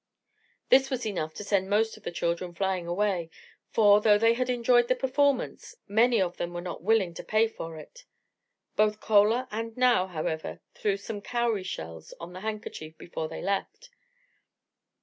This was enough to send most of the children flying away; for, though they had enjoyed the performance, many of them were not willing to pay for it. Both Chola and Nao, however, threw some cowrie shells on the handkerchief before they left.